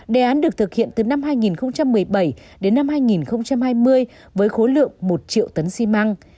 đề án được thực hiện từ năm hai nghìn một mươi bảy đến năm hai nghìn hai mươi với khối lượng một triệu tấn xi măng